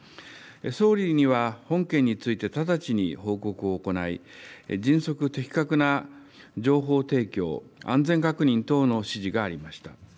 総理には本件について直ちに報告を行い、迅速的確な情報提供、安全確認等の指示がありました。